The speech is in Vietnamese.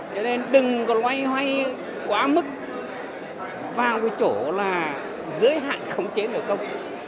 cho nên đừng loay hoay quá mức vào cái chỗ là giới hạn khống chế nửa công